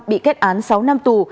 bị kết án sáu năm tù